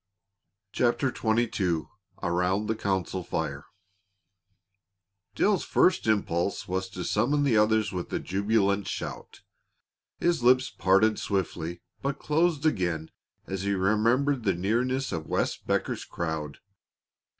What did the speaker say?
CHAPTER XXII AROUND THE COUNCIL FIRE Dale's first impulse was to summon the others with a jubilant shout. His lips parted swiftly, but closed again as he remembered the nearness of Wes Becker's crowd.